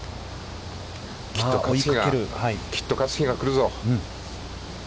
きっと勝つ日が来るぞ。